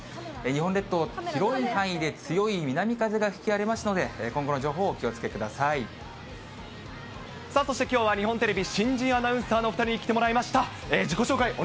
日本列島、広い範囲で強い南風が吹き荒れますので、今後の情報をお気をつけさあそして、きょうは日本テレビ、新人アナウンサーの２人に来てもらいました。